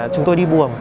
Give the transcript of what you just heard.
chúng tôi đi buồm